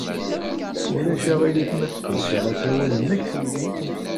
Ulac aɣilif ma sqedceɣ asawal-nnek?